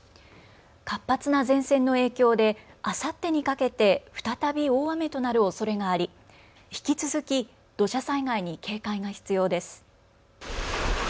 活発な前線の影響であさってにかけて再び大雨となるおそれがあり引き続き土砂災害に警戒が必要です。